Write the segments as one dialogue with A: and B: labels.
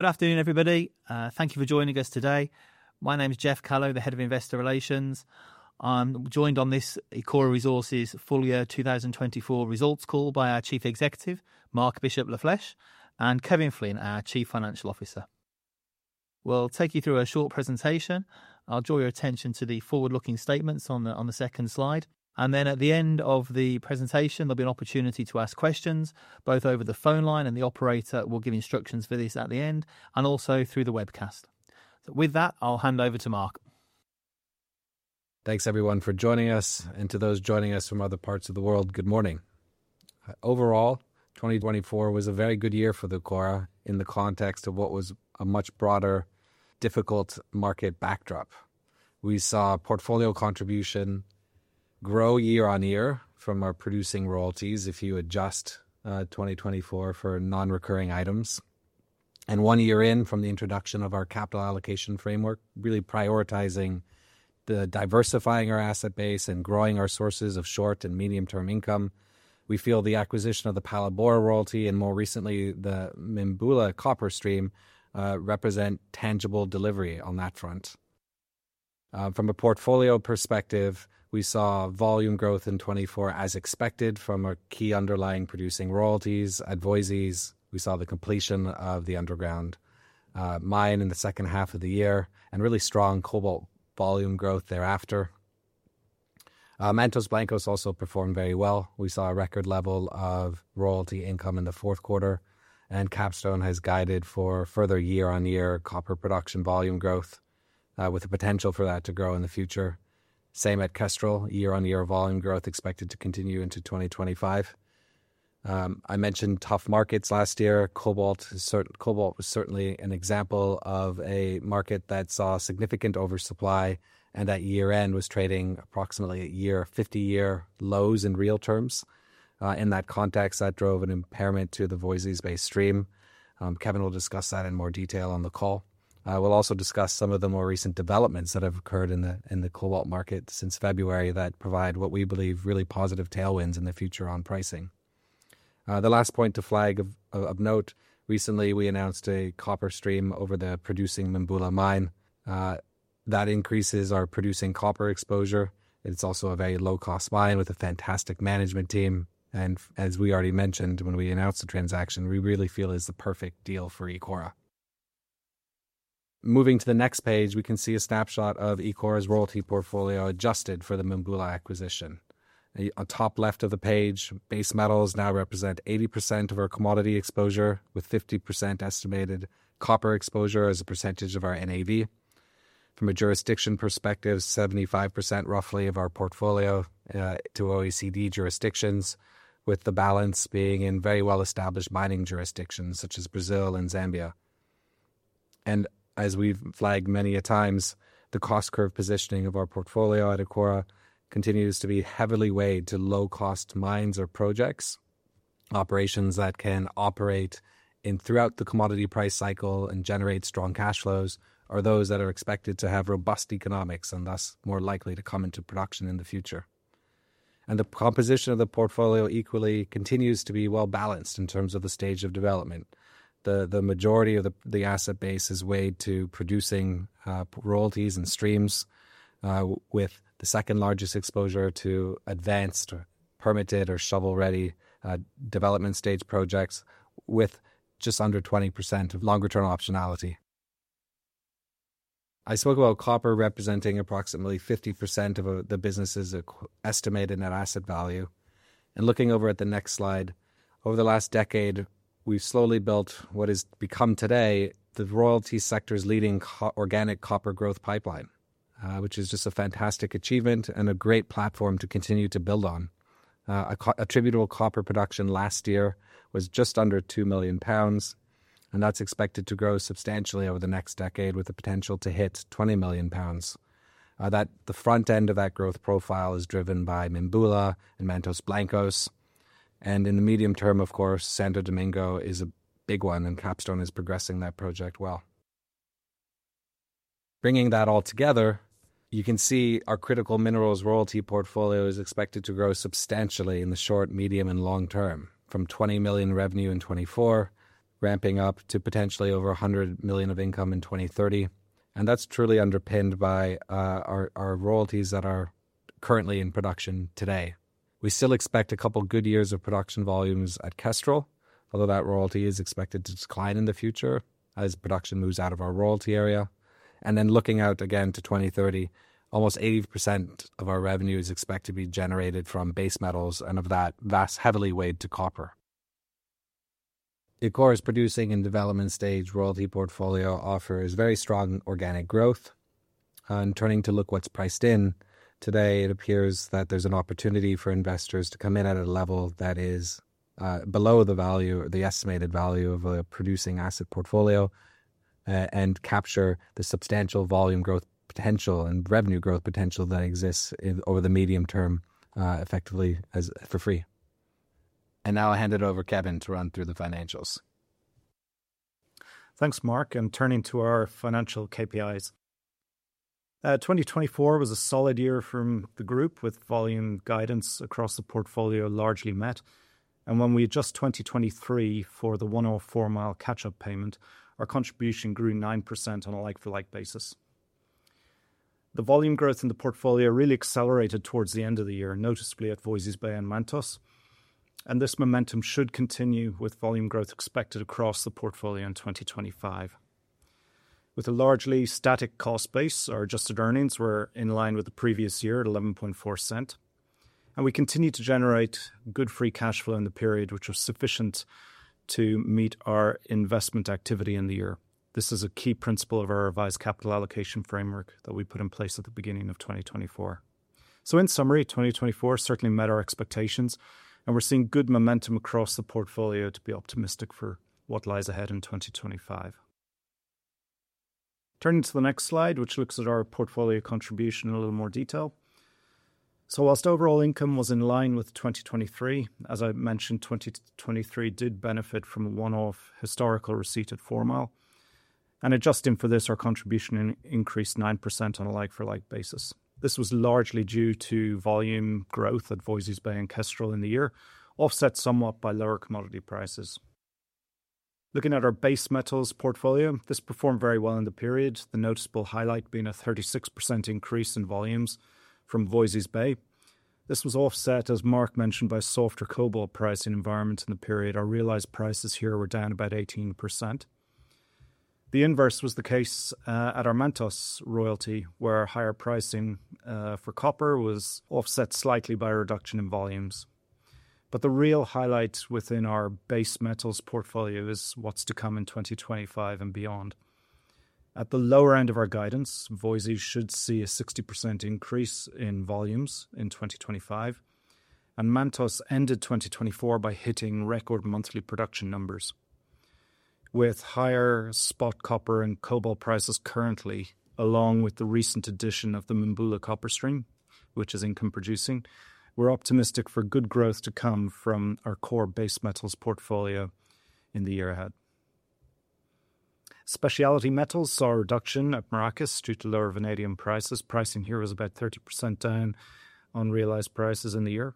A: Good afternoon, everybody. Thank you for joining us today. My name is Geoff Callow, the Head of Investor Relations. I'm joined on this Ecora Resources Full-Year 2024 Results Call by our Chief Executive, Marc Bishop Lafleche, and Kevin Flynn, our Chief Financial Officer. We'll take you through a short presentation. I'll draw your attention to the forward-looking statements on the second slide. At the end of the presentation, there'll be an opportunity to ask questions, both over the phone line and the operator will give instructions for this at the end, and also through the webcast. With that, I'll hand over to Marc. Thanks, everyone, for joining us. To those joining us from other parts of the world, good morning. Overall, 2024 was a very good year for Ecora in the context of what was a much broader, difficult market backdrop. We saw portfolio contribution grow year-on-year from our producing royalties, if you adjust 2024 for non-recurring items. One year in, from the introduction of our capital allocation framework, really prioritizing the diversifying of our asset base and growing our sources of short and medium-term income, we feel the acquisition of the Phalaborwa royalty and, more recently, the Mimbula copper stream represent tangible delivery on that front. From a portfolio perspective, we saw volume growth in 2024, as expected, from our key underlying producing royalties. At Voisey's, we saw the completion of the underground mine in the second half of the year and really strong cobalt volume growth thereafter. Mantos Blancos also performed very well. We saw a record level of royalty income in the fourth quarter. Capstone has guided for further year-on-year copper production volume growth, with the potential for that to grow in the future. Same at Kestrel, year-on-year volume growth expected to continue into 2025. I mentioned tough markets last year. Cobalt was certainly an example of a market that saw significant oversupply and, at year-end, was trading approximately near 50-year lows in real terms. In that context, that drove an impairment to the Voisey's Bay stream. Kevin will discuss that in more detail on the call. We'll also discuss some of the more recent developments that have occurred in the cobalt market since February that provide what we believe really positive tailwinds in the future on pricing. The last point to flag of note, recently we announced a copper stream over the producing Mimbula mine. That increases our producing copper exposure. It's also a very low-cost mine with a fantastic management team. As we already mentioned when we announced the transaction, we really feel it's the perfect deal for Ecora. Moving to the next page, we can see a snapshot of Ecora's royalty portfolio adjusted for the Mimbula acquisition. On the top left of the page, base metals now represent 80% of our commodity exposure, with 50% estimated copper exposure as a percentage of our NAV. From a jurisdiction perspective, 75% roughly of our portfolio to OECD jurisdictions, with the balance being in very well-established mining jurisdictions such as Brazil and Zambia. As we've flagged many a times, the cost curve positioning of our portfolio at Ecora continues to be heavily weighed to low-cost mines or projects. Operations that can operate throughout the commodity price cycle and generate strong cash flows are those that are expected to have robust economics and thus more likely to come into production in the future. The composition of the portfolio equally continues to be well-balanced in terms of the stage of development. The majority of the asset base is weighed to producing royalties and streams, with the second largest exposure to advanced, permitted, or shovel-ready development stage projects, with just under 20% of longer-term optionality. I spoke about copper representing approximately 50% of the business's estimated net asset value. Looking over at the next slide, over the last decade, we have slowly built what has become today the royalty sector's leading organic copper growth pipeline, which is just a fantastic achievement and a great platform to continue to build on. Attributable copper production last year was just under 2 million pounds, and that is expected to grow substantially over the next decade with the potential to hit 20 million pounds. The front end of that growth profile is driven by Mimbula and Mantos Blancos. In the medium term, of course, Santo Domingo is a big one, and Capstone is progressing that project well. Bringing that all together, you can see our critical minerals royalty portfolio is expected to grow substantially in the short, medium, and long term, from 20 million revenue in 2024, ramping up to potentially over 100 million of income in 2030. That is truly underpinned by our royalties that are currently in production today. We still expect a couple of good years of production volumes at Kestrel, although that royalty is expected to decline in the future as production moves out of our royalty area. Looking out again to 2030, almost 80% of our revenue is expected to be generated from base metals, and of that, that is heavily weighed to copper. Ecora's producing and development stage royalty portfolio offers very strong organic growth. Turning to look what's priced in, today it appears that there's an opportunity for investors to come in at a level that is below the estimated value of a producing asset portfolio and capture the substantial volume growth potential and revenue growth potential that exists over the medium term effectively for free. Now I'll hand it over to Kevin to run through the financials.
B: Thanks, Marc. Turning to our financial KPIs, 2024 was a solid year from the group, with volume guidance across the portfolio largely met. When we adjust 2023 for the one-off Four Mile catch-up payment, our contribution grew 9% on a like-for-like basis. The volume growth in the portfolio really accelerated towards the end of the year, noticeably at Voisey's Bay and Mantos. This momentum should continue with volume growth expected across the portfolio in 2025. With a largely static cost base, our adjusted earnings were in line with the previous year at 11.4%. We continue to generate good free cash flow in the period, which was sufficient to meet our investment activity in the year. This is a key principle of our revised capital allocation framework that we put in place at the beginning of 2024. In summary, 2024 certainly met our expectations, and we're seeing good momentum across the portfolio to be optimistic for what lies ahead in 2025. Turning to the next slide, which looks at our portfolio contribution in a little more detail. Whilst overall income was in line with 2023, as I mentioned, 2023 did benefit from a one-off historical receipt at Four Mile. Adjusting for this, our contribution increased 9% on a like-for-like basis. This was largely due to volume growth at Voisey's Bay and Kestrel in the year, offset somewhat by lower commodity prices. Looking at our base metals portfolio, this performed very well in the period, the noticeable highlight being a 36% increase in volumes from Voisey's Bay. This was offset, as Marc mentioned, by softer cobalt pricing environments in the period. Our realized prices here were down about 18%. The inverse was the case at our Mantos royalty, where higher pricing for copper was offset slightly by a reduction in volumes. The real highlight within our base metals portfolio is what's to come in 2025 and beyond. At the lower end of our guidance, Voisey's should see a 60% increase in volumes in 2025. Mantos ended 2024 by hitting record monthly production numbers. With higher spot copper and cobalt prices currently, along with the recent addition of the Mimbula copper stream, which is income-producing, we're optimistic for good growth to come from our core base metals portfolio in the year ahead. Specialty metals saw a reduction at Maracás due to lower vanadium prices. Pricing here was about 30% down on realized prices in the year.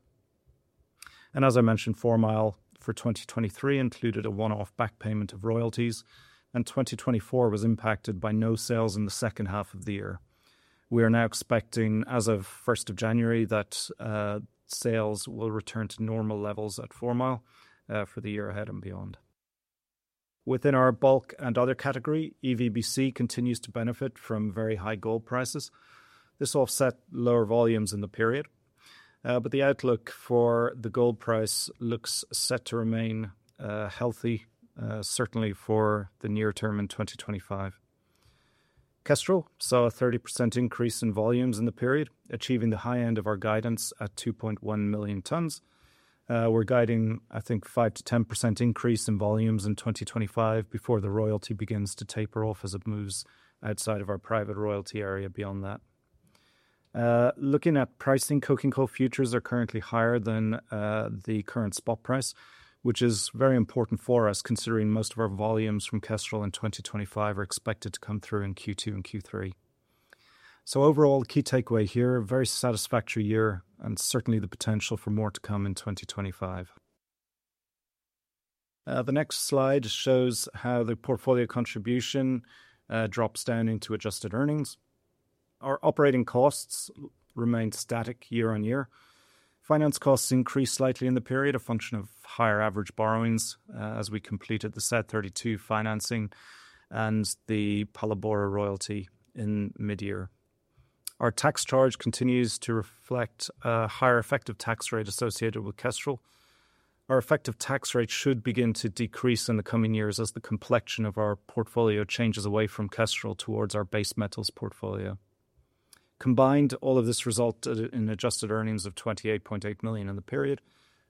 B: As I mentioned, Four Mile for 2023 included a one-off back payment of royalties, and 2024 was impacted by no sales in the second half of the year. We are now expecting, as of 1st of January, that sales will return to normal levels at Four Mile for the year ahead and beyond. Within our bulk and other category, EVBC continues to benefit from very high gold prices. This offset lower volumes in the period. The outlook for the gold price looks set to remain healthy, certainly for the near term in 2025. Kestrel saw a 30% increase in volumes in the period, achieving the high end of our guidance at 2.1 million tons. We are guiding, I think, a 5% to 10% increase in volumes in 2025 before the royalty begins to taper off as it moves outside of our private royalty area beyond that. Looking at pricing, coking coal futures are currently higher than the current spot price, which is very important for us, considering most of our volumes from Kestrel in 2025 are expected to come through in Q2 and Q3. Overall, key takeaway here, a very satisfactory year and certainly the potential for more to come in 2025. The next slide shows how the portfolio contribution drops down into adjusted earnings. Our operating costs remain static year-on-year. Finance costs increased slightly in the period, a function of higher average borrowings as we completed the South32 financing and the Phalaborwa royalty in mid-year. Our tax charge continues to reflect a higher effective tax rate associated with Kestrel. Our effective tax rate should begin to decrease in the coming years as the complexion of our portfolio changes away from Kestrel towards our base metals portfolio. Combined, all of this resulted in adjusted earnings of $28.8 million in the period,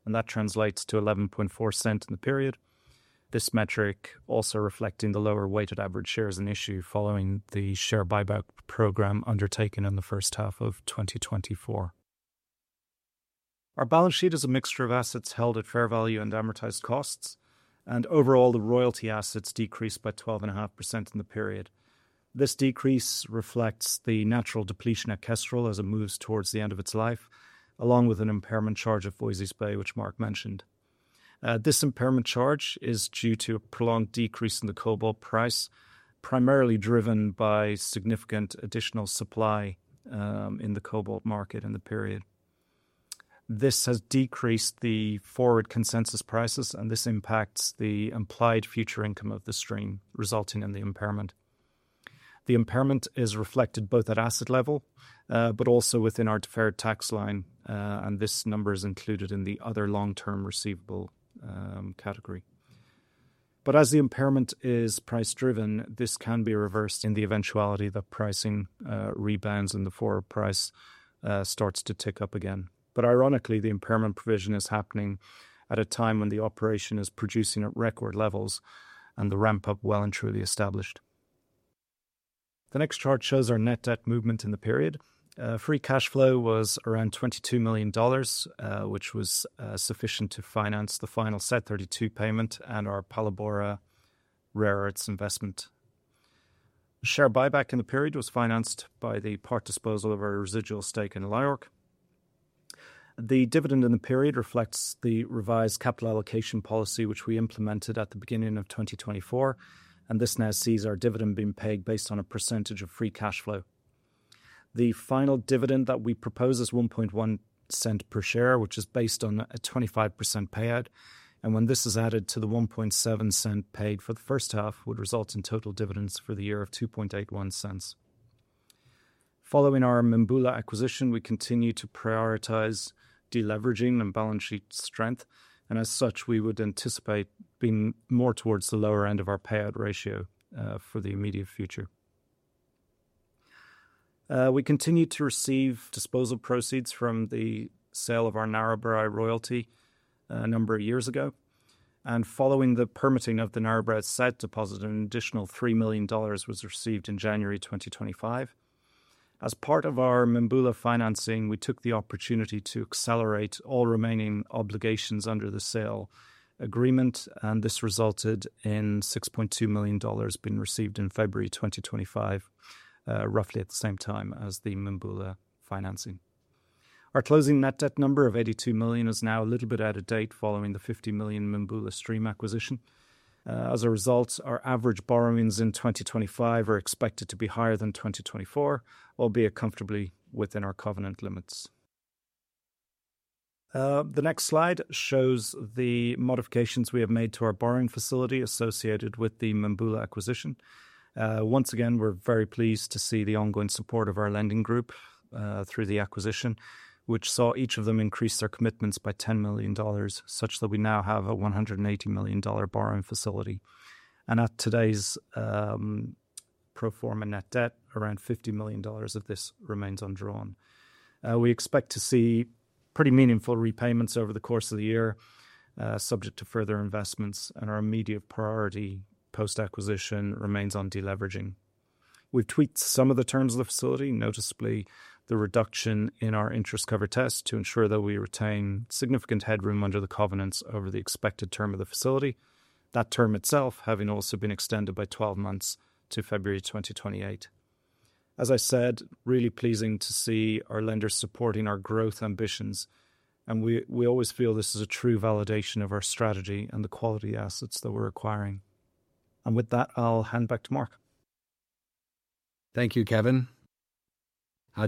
B: and that translates to 11.4% in the period. This metric also reflecting the lower weighted average share as an issue following the share buyback program undertaken in the first half of 2024. Our balance sheet is a mixture of assets held at fair value and amortized costs, and overall the royalty assets decreased by 12.5% in the period. This decrease reflects the natural depletion at Kestrel as it moves towards the end of its life, along with an impairment charge at Voisey's Bay, which Marc mentioned. This impairment charge is due to a prolonged decrease in the cobalt price, primarily driven by significant additional supply in the cobalt market in the period. This has decreased the forward consensus prices, and this impacts the implied future income of the stream, resulting in the impairment. The impairment is reflected both at asset level, but also within our deferred tax line, and this number is included in the other long-term receivable category. As the impairment is price-driven, this can be reversed in the eventuality that pricing rebounds and the forward price starts to tick up again. Ironically, the impairment provision is happening at a time when the operation is producing at record levels and the ramp-up well and truly established. The next chart shows our net debt movement in the period. Free cash flow was around $22 million, which was sufficient to finance the final South32 payment and our Phalaborwa rare earths investment. Share buyback in the period was financed by the part disposal of our residual stake in LIORC. The dividend in the period reflects the revised capital allocation policy, which we implemented at the beginning of 2024, and this now sees our dividend being paid based on a percentage of free cash flow. The final dividend that we propose is $0.011 per share, which is based on a 25% payout, and when this is added to the $0.017 paid for the first half, would result in total dividends for the year of $0.0281. Following our Mimbula acquisition, we continue to prioritize deleveraging and balance sheet strength, and as such, we would anticipate being more towards the lower end of our payout ratio for the immediate future. We continue to receive disposal proceeds from the sale of our Narrabri royalty a number of years ago, and following the permitting of the Narrabri South deposit, an additional $3 million was received in January 2025. As part of our Mimbula financing, we took the opportunity to accelerate all remaining obligations under the sale agreement, and this resulted in $6.2 million being received in February 2025, roughly at the same time as the Mimbula financing. Our closing net debt number of $82 million is now a little bit out of date following the $50 million Mimbula stream acquisition. As a result, our average borrowings in 2025 are expected to be higher than 2024, albeit comfortably within our covenant limits. The next slide shows the modifications we have made to our borrowing facility associated with the Mimbula acquisition. Once again, we're very pleased to see the ongoing support of our lending group through the acquisition, which saw each of them increase their commitments by $10 million, such that we now have a $180 million borrowing facility. At today's pro forma net debt, around $50 million of this remains undrawn. We expect to see pretty meaningful repayments over the course of the year, subject to further investments, and our immediate priority post-acquisition remains on deleveraging. We have tweaked some of the terms of the facility, noticeably the reduction in our interest cover test to ensure that we retain significant headroom under the covenants over the expected term of the facility. That term itself has also been extended by 12 months to February 2028. It is really pleasing to see our lenders supporting our growth ambitions, and we always feel this is a true validation of our strategy and the quality assets that we are acquiring. With that, I will hand back to Marc.
C: Thank you, Kevin.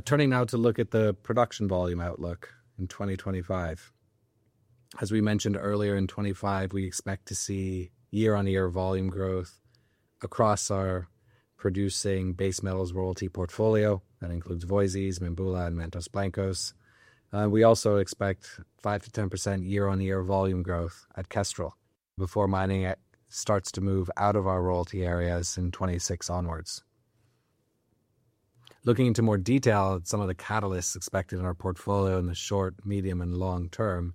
C: Turning now to look at the production volume outlook in 2025. As we mentioned earlier in 2025, we expect to see year-on-year volume growth across our producing base metals royalty portfolio that includes Voisey's Bay, Mimbula, and Mantos Blancos. We also expect 5% to 10% year-on-year volume growth at Kestrel before mining starts to move out of our royalty areas in 2026 onwards. Looking into more detail at some of the catalysts expected in our portfolio in the short, medium, and long term,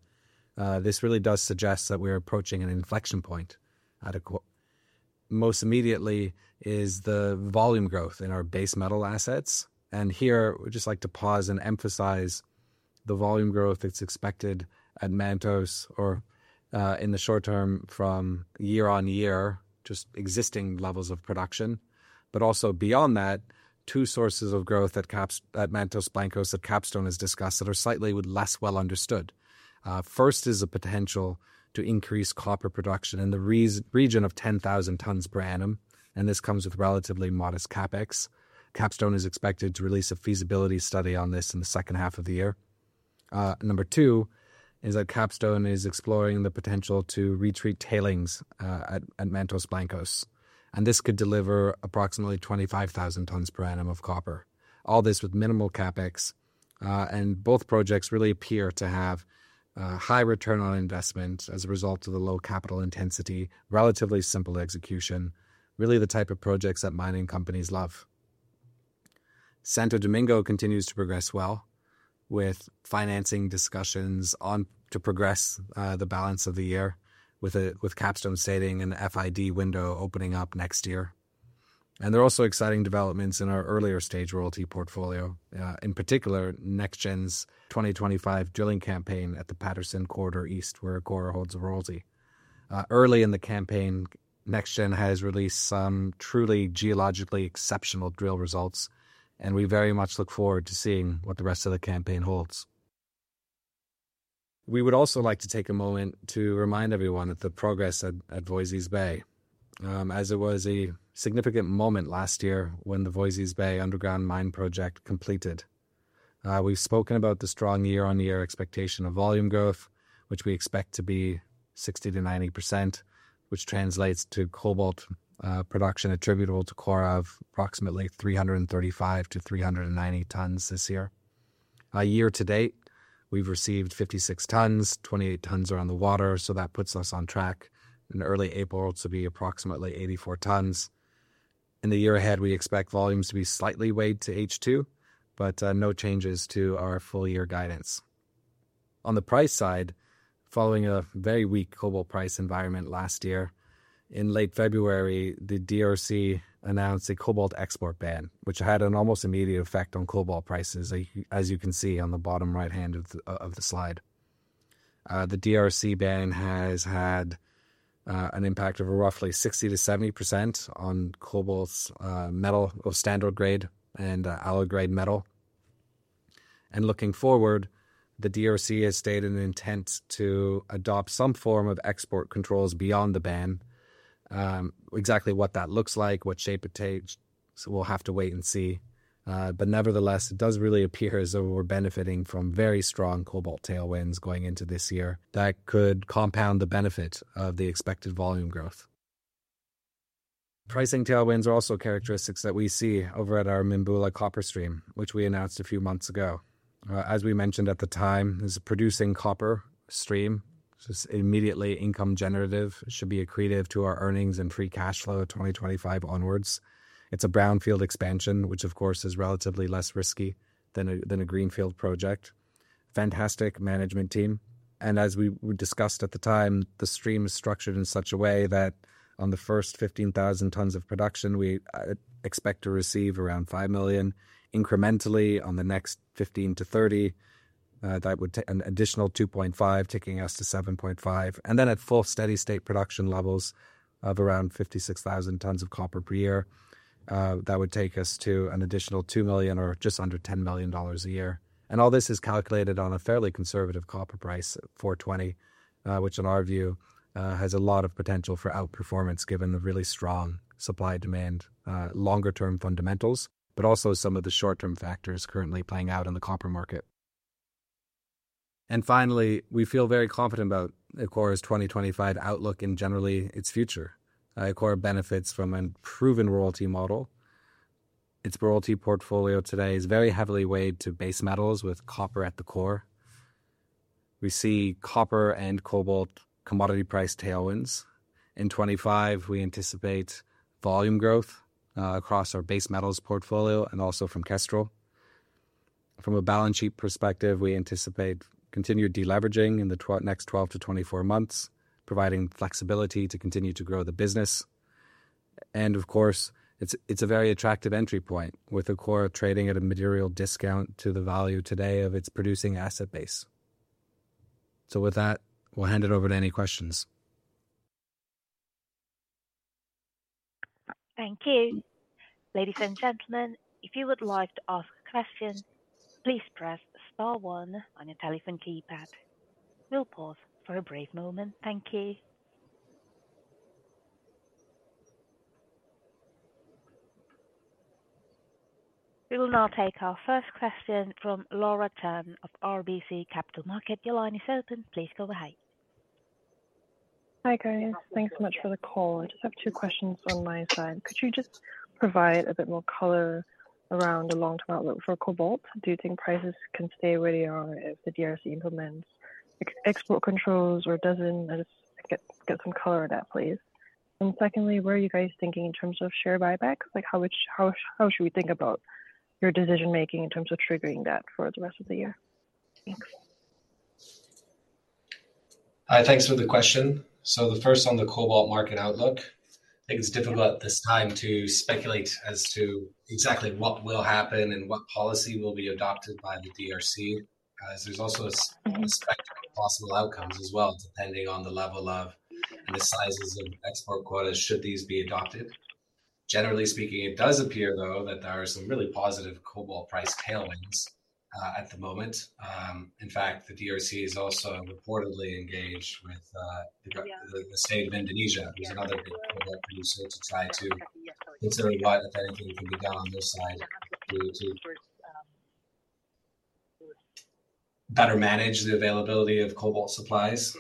C: this really does suggest that we're approaching an inflection point. Most immediately is the volume growth in our base metal assets. Here, we'd just like to pause and emphasize the volume growth that's expected at Mantos or in the short term from year-on-year, just existing levels of production. Also beyond that, two sources of growth at Mantos Blancos at Capstone as discussed that are slightly less well understood. First is the potential to increase copper production in the region of 10,000 tons per annum, and this comes with relatively modest CapEx. Capstone is expected to release a feasibility study on this in the second half of the year. Number two is that Capstone is exploring the potential to retreat tailings at Mantos Blancos, and this could deliver approximately 25,000 tons per annum of copper. All this with minimal CapEx, and both projects really appear to have high return on investment as a result of the low capital intensity, relatively simple execution, really the type of projects that mining companies love. Santo Domingo continues to progress well with financing discussions on to progress the balance of the year with Capstone stating an FID window opening up next year. There are also exciting developments in our earlier stage royalty portfolio, in particular NexGen's 2025 drilling campaign at the Patterson Corridor East where Ecora holds a royalty. Early in the campaign, NexGen has released some truly geologically exceptional drill results, and we very much look forward to seeing what the rest of the campaign holds. We would also like to take a moment to remind everyone of the progress at Voisey's Bay, as it was a significant moment last year when the Voisey's Bay underground mine project completed. We've spoken about the strong year-on-year expectation of volume growth, which we expect to be 60% to 90%, which translates to cobalt production attributable to Ecora of approximately 335 tons to 390 tons this year. Year-to-date, we've received 56 tons, 28 tons around the water, so that puts us on track in early April to be approximately 84 tons. In the year ahead, we expect volumes to be slightly weighed to H2, but no changes to our full-year guidance. On the price side, following a very weak cobalt price environment last year. In late February, the DRC announced a cobalt export ban, which had an almost immediate effect on cobalt prices, as you can see on the bottom right hand of the slide. The DRC ban has had an impact of roughly 60% to 70% on cobalt metal or standard grade and alloy grade metal. Looking forward, the DRC has stated an intent to adopt some form of export controls beyond the ban. Exactly what that looks like, what shape it takes, we'll have to wait and see. Nevertheless, it does really appear as though we're benefiting from very strong cobalt tailwinds going into this year. That could compound the benefit of the expected volume growth. Pricing tailwinds are also characteristics that we see over at our Mimbula copper stream, which we announced a few months ago. As we mentioned at the time, this is a producing copper stream, so it's immediately income generative. It should be accretive to our earnings and free cash flow 2025 onwards. It's a brownfield expansion, which of course is relatively less risky than a greenfield project. Fantastic management team. As we discussed at the time, the stream is structured in such a way that on the first 15,000 tons of production, we expect to receive around $5 million. Incrementally, on the next 15,000 tons to 30,000 tons, that would take an additional $2.5 million, taking us to $7.5 million. At full steady state production levels of around 56,000 tons of copper per year, that would take us to an additional $2 million or just under $10 million a year. All this is calculated on a fairly conservative copper price, $4.20, which in our view has a lot of potential for outperformance given the really strong supply-demand longer-term fundamentals, but also some of the short-term factors currently playing out in the copper market. Finally, we feel very confident about Ecora's 2025 outlook and generally its future. Ecora benefits from a proven royalty model. Its royalty portfolio today is very heavily weighed to base metals with copper at the core. We see copper and cobalt commodity price tailwinds. In 2025, we anticipate volume growth across our base metals portfolio and also from Kestrel. From a balance sheet perspective, we anticipate continued deleveraging in the next 12 months to 24 months, providing flexibility to continue to grow the business. It is a very attractive entry point with Ecora trading at a material discount to the value today of its producing asset base. With that, we'll hand it over to any questions.
D: Thank you. Ladies and gentlemen, if you would like to ask a question, please press star one on your telephone keypad. We will pause for a brief moment. Thank you. We will now take our first question from Laura Chen of RBC Capital Markets. Your line is open. Please go ahead.
E: Hi guys, thanks so much for the call. I just have two questions on my side. Could you just provide a bit more color around the long-term outlook for cobalt? Do you think prices can stay where they are if the DRC implements export controls or does not? Get some color on that, please. Secondly, what are you guys thinking in terms of share buyback? How should we think about your decision-making in terms of triggering that for the rest of the year? Thanks.
C: Hi, thanks for the question. The first on the cobalt market outlook, I think it's difficult at this time to speculate as to exactly what will happen and what policy will be adopted by the DRC, as there's also possible outcomes as well depending on the level of and the sizes of export quotas should these be adopted. Generally speaking, it does appear though that there are some really positive cobalt price tailwinds at the moment. In fact, the DRC is also importantly engaged with the state of Indonesia, who's another cobalt producer, to try to consider what if anything can be done on this side to better manage the availability of cobalt supplies.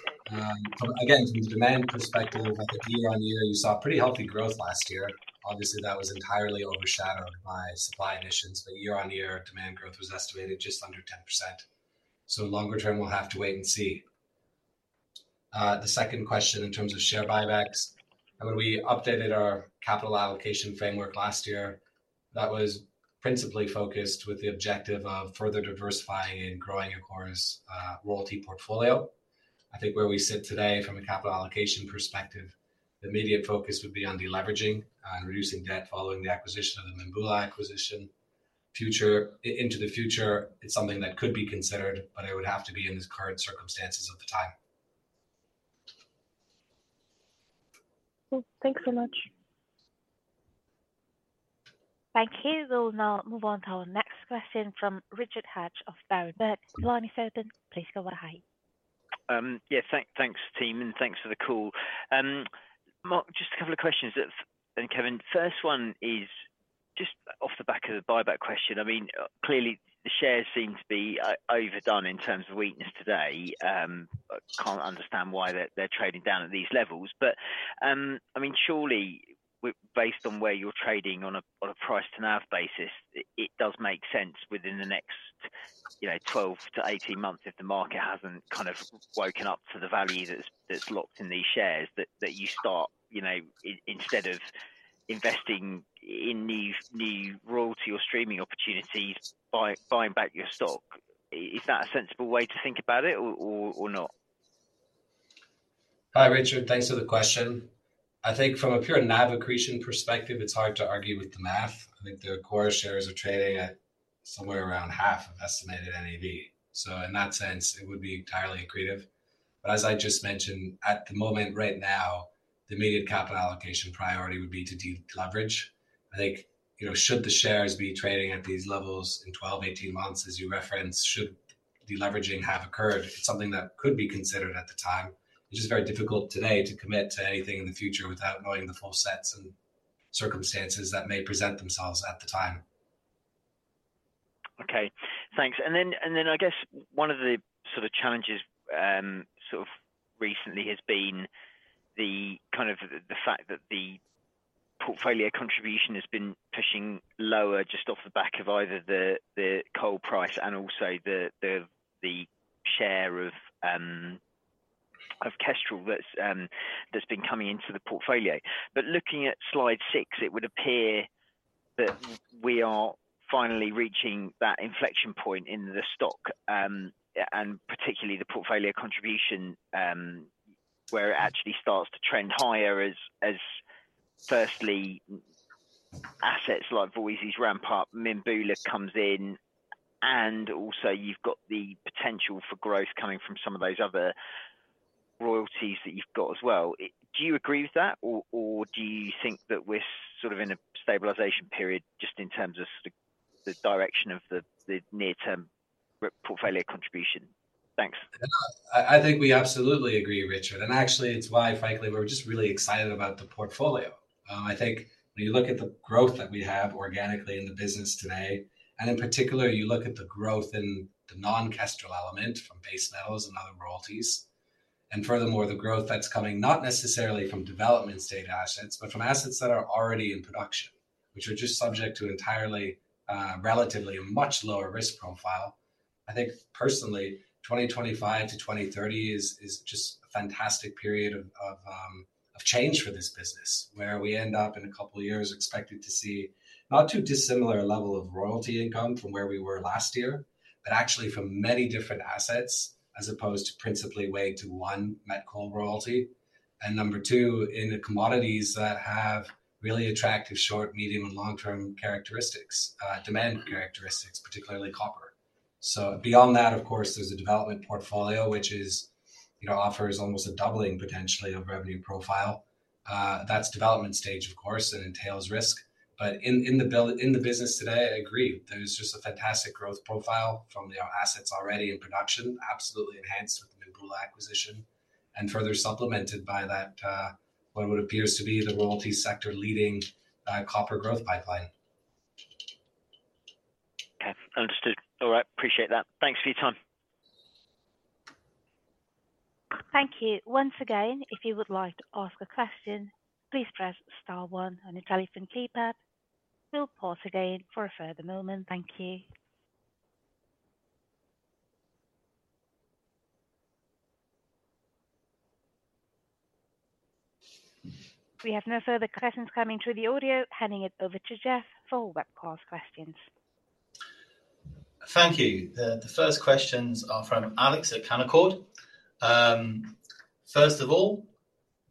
C: Again, from the demand perspective, I think year-on-year you saw pretty healthy growth last year. Obviously, that was entirely overshadowed by supply issues, but year-on-year demand growth was estimated just under 10%. Longer term, we'll have to wait and see. The second question in terms of share buybacks, when we updated our capital allocation framework last year, that was principally focused with the objective of further diversifying and growing Ecora's royalty portfolio. I think where we sit today from a capital allocation perspective, the immediate focus would be on deleveraging and reducing debt following the Mimbula acquisition. Future, into the future, it's something that could be considered, but it would have to be in this current circumstances of the time.
D: Thanks so much. Thank you. We'll now move on to our next question from Richard Hatch of BMO Capital Markets. Line is open. Please go ahead.
F: Yeah, thanks, team, and thanks for the call. Marc, just a couple of questions. And Kevin, first one is just off the back of the buyback question. I mean, clearly the shares seem to be overdone in terms of weakness today. I can't understand why they're trading down at these levels. I mean, surely based on where you're trading on a price-to-NAV basis, it does make sense within the next 12 months to 18 months if the market hasn't kind of woken up to the value that's locked in these shares that you start instead of investing in new royalty or streaming opportunities, buying back your stock. Is that a sensible way to think about it or not?
C: Hi, Richard. Thanks for the question. I think from a pure navigation perspective, it's hard to argue with the math. I think the Ecora shares are trading at somewhere around half of estimated NAV. In that sense, it would be entirely accretive. As I just mentioned, at the moment right now, the immediate capital allocation priority would be to deleverage. I think should the shares be trading at these levels in 12 months to 18 months, as you referenced, should deleveraging have occurred, something that could be considered at the time, which is very difficult today to commit to anything in the future without knowing the full sets and circumstances that may present themselves at the time.
F: Okay, thanks. One of the sort of challenges recently has been the fact that the portfolio contribution has been pushing lower just off the back of either the coal price and also the share of Kestrel that's been coming into the portfolio. Looking at slide six, it would appear that we are finally reaching that inflection point in the stock and particularly the portfolio contribution where it actually starts to trend higher as firstly assets like Voisey's Bay ramp up, Mimbula comes in, and also you've got the potential for growth coming from some of those other royalties that you've got as well. Do you agree with that or do you think that we're sort of in a stabilization period just in terms of the direction of the near-term portfolio contribution? Thanks.
C: I think we absolutely agree, Richard. Actually, it's why, frankly, we're just really excited about the portfolio. I think when you look at the growth that we have organically in the business today, and in particular, you look at the growth in the non-Kestrel element from base values and other royalties, and furthermore, the growth that's coming not necessarily from development stage assets, but from assets that are already in production, which are just subject to entirely, relatively, a much lower risk profile. I think, personally, 2025 to 2030 is just a fantastic period of change for this business where we end up in a couple of years expected to see not too dissimilar level of royalty income from where we were last year, but actually from many different assets as opposed to principally weighted to one net coal royalty. Number two, in the commodities that have really attractive short, medium, and long-term characteristics, demand characteristics, particularly copper. Beyond that, of course, there is a development portfolio, which offers almost a doubling potentially of revenue profile. That is development stage, of course, and entails risk. In the business today, I agree, there is just a fantastic growth profile from the assets already in production, absolutely enhanced with the Mimbula acquisition and further supplemented by that, what appears to be the royalty sector leading copper growth pipeline.
F: Okay, understood. All right, appreciate that. Thanks for your time.
D: Thank you. Once again, if you would like to ask a question, please press star one on your telephone keypad. We'll pause again for a further moment. Thank you. We have no further questions coming through the audio. Handing it over to Geoff for webcast questions.
A: Thank you. The first questions are from Alex at Canaccord. First of all,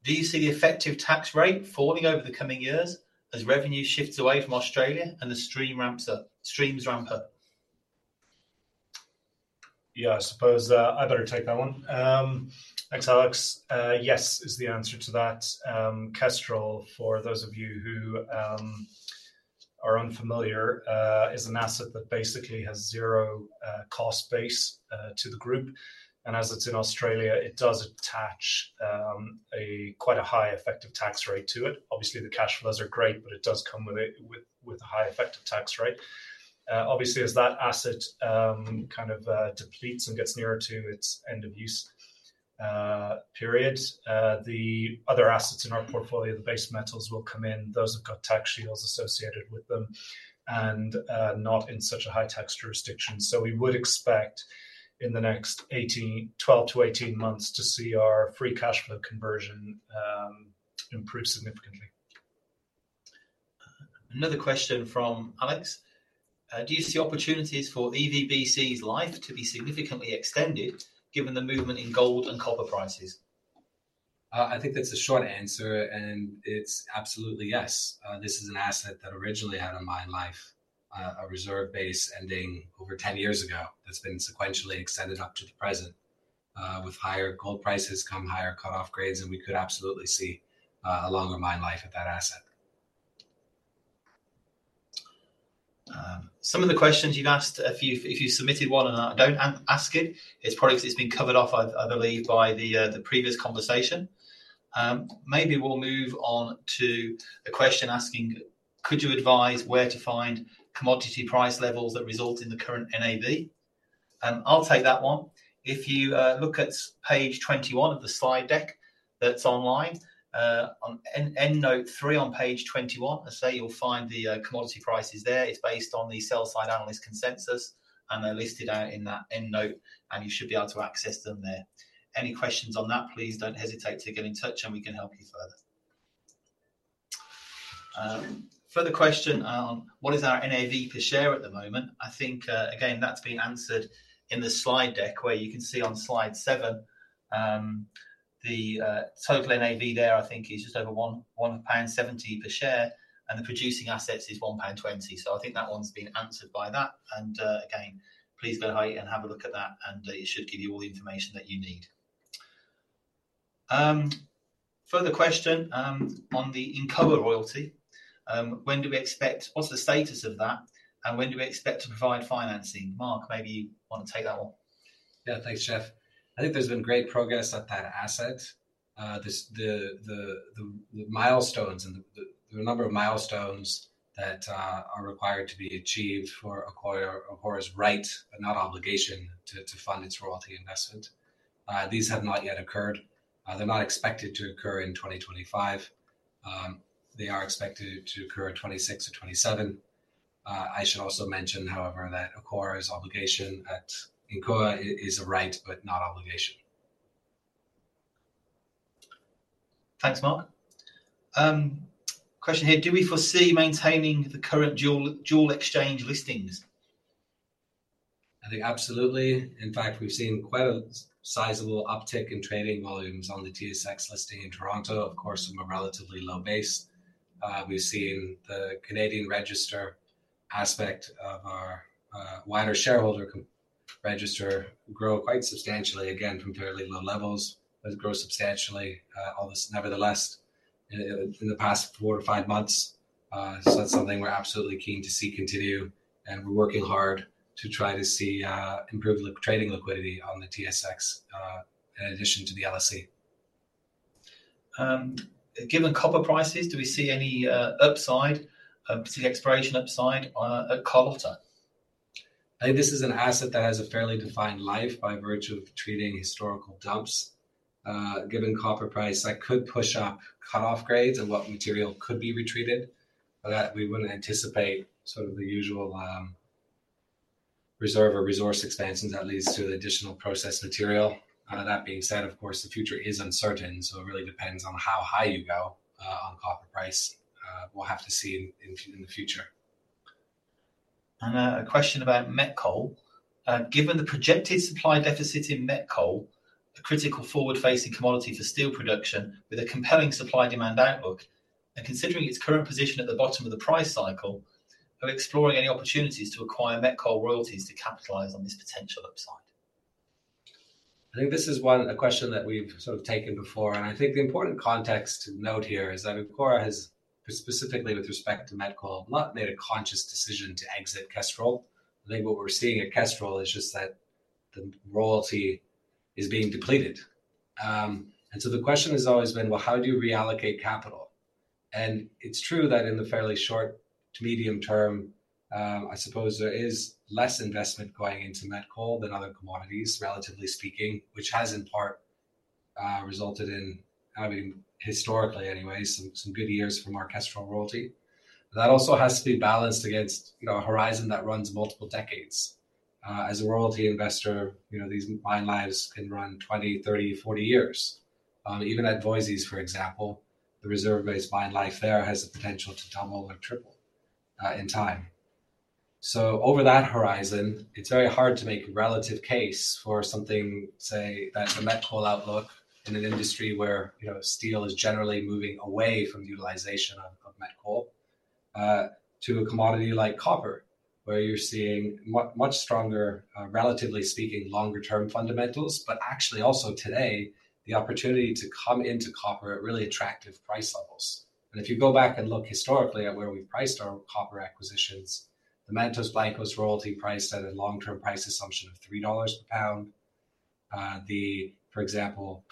A: do you see the effective tax rate falling over the coming years as revenue shifts away from Australia and the streams ramp up?
B: Yeah, I suppose I better take that one. Thanks, Alex. Yes is the answer to that. Kestrel, for those of you who are unfamiliar, is an asset that basically has zero cost base to the group. As it is in Australia, it does attach quite a high effective tax rate to it. Obviously, the cash flows are great, but it does come with a high effective tax rate. Obviously, as that asset kind of depletes and gets nearer to its end of use period, the other assets in our portfolio, the base metals, will come in. Those have got tax shields associated with them and not in such a high tax jurisdiction. We would expect in the next 12 months to 18 months to see our free cash flow conversion improve significantly.
A: Another question from Alex. Do you see opportunities for EVBC's life to be significantly extended given the movement in gold and copper prices?
C: I think that's a short answer, and it's absolutely yes. This is an asset that originally had a mine life, a reserve base ending over 10 years ago. It's been sequentially extended up to the present with higher gold prices, come higher cut-off grades, and we could absolutely see a longer mine life at that asset.
A: Some of the questions you've asked, if you submitted one and I don't ask it, it's probably been covered off, I believe, by the previous conversation. Maybe we'll move on to a question asking, could you advise where to find commodity price levels that result in the current NAV? I'll take that one. If you look at page 21 of the slide deck that's online, on end note three on page 21, I say you'll find the commodity prices there. It's based on the sell-side analyst consensus, and they're listed out in that end note, and you should be able to access them there. Any questions on that, please don't hesitate to get in touch, and we can help you further. Further question on what is our NAV per share at the moment? I think, again, that's been answered in the slide deck where you can see on slide seven, the total NAV there, I think, is just over 1.70 pound per share, and the producing assets is 1.20 pound. I think that one's been answered by that. Again, please go ahead and have a look at that, and it should give you all the information that you need. Further question on the Incoa royalty. When do we expect, what's the status of that, and when do we expect to provide financing? Marc, maybe you want to take that one.
C: Yeah, thanks, Geoff. I think there's been great progress on that asset. The milestones and the number of milestones that are required to be achieved for Ecora's right and not obligation to fund its royalty investment, these have not yet occurred. They're not expected to occur in 2025. They are expected to occur in 2026 or 2027. I should also mention, however, that Ecora's obligation at Ecora is a right, but not obligation.
A: Thanks, Marc. Question here, do we foresee maintaining the current dual exchange listings? I think absolutely. In fact, we've seen quite a sizable uptick in trading volumes on the TSX listing in Toronto, of course, from a relatively low base. We've seen the Canadian register aspect of our wider shareholder register grow quite substantially again from fairly low levels and grow substantially almost nevertheless in the past four to five months. That is something we're absolutely keen to see continue, and we're working hard to try to see improved trading liquidity on the TSX in addition to the LSE. Given copper prices, do we see any upside, see exploration upside at Carlota?
C: This is an asset that has a fairly defined life by virtue of treating historical dumps. Given copper price, that could push up cut-off grades and what material could be retreated, but we would not anticipate sort of the usual reserve or resource expansion that leads to the additional process material. That being said, of course, the future is uncertain, so it really depends on how high you go on copper price. We will have to see in the future.
A: A question about met coal. Given the projected supply deficit in met coal, a critical forward-facing commodity for steel production with a compelling supply demand outlook, and considering its current position at the bottom of the price cycle, are we exploring any opportunities to acquire met coal royalties to capitalize on this potential upside?
C: I think this is one of the questions that we've sort of taken before, and I think the important context to note here is that Ecora has, specifically with respect to met coal, not made a conscious decision to exit Kestrel. I think what we're seeing at Kestrel is just that the royalty is being depleted. The question has always been, well, how do you reallocate capital? It's true that in the fairly short to medium term, I suppose there is less investment going into met coal than other commodities, relatively speaking, which has in part resulted in, I mean, historically anyway, some good years from our Kestrel royalty. That also has to be balanced against a horizon that runs multiple decades. As a royalty investor, these mine lives can run 20, 30, 40 years. Even at Voisey's, for example, the reserve-based mine life there has the potential to double or triple in time. Over that horizon, it's very hard to make a relative case for something, say, that's a met coal outlook in an industry where steel is generally moving away from utilization of met coal to a commodity like copper, where you're seeing much stronger, relatively speaking, longer-term fundamentals, but actually also today, the opportunity to come into copper at really attractive price levels. If you go back and look historically at where we've priced our copper acquisitions, the Mantos Blancos royalty price set at a long-term price assumption of $3 per pound. For example,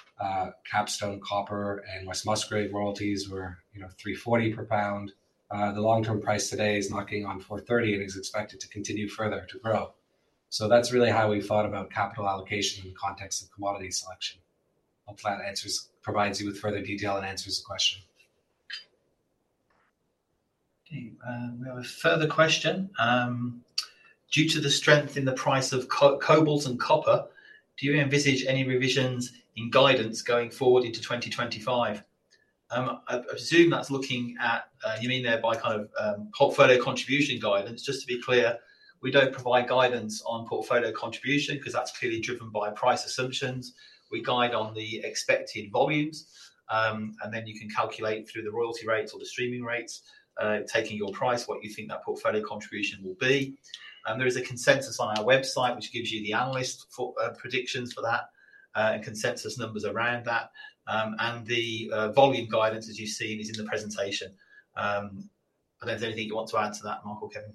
C: Capstone Copper and West Musgrave royalties were $3.40 per pound. The long-term price today is knocking on $4.30 and is expected to continue further to grow. That's really how we thought about capital allocation in the context of commodity selection. Hopefully, that provides you with further detail and answers the question.
A: Okay, there was a further question. Due to the strength in the price of cobalt and copper, do you envisage any revisions in guidance going forward into 2025? I assume that's looking at, you mean there by kind of portfolio contribution guidance. Just to be clear, we don't provide guidance on portfolio contribution because that's clearly driven by price assumptions. We guide on the expected volumes, and then you can calculate through the royalty rates or the streaming rates, taking your price, what you think that portfolio contribution will be. There is a consensus on our website, which gives you the analyst predictions for that and consensus numbers around that. The volume guidance, as you've seen, is in the presentation. I don't know if there's anything you want to add to that, Marc or Kevin.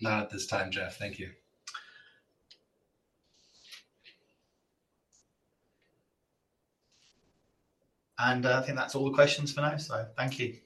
C: Not at this time, Geoff. Thank you.
A: I think that's all the questions for now, so thank you.